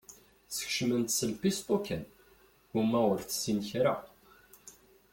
Sskecmen-tt s lpisṭu kan, uma ur tessin kra.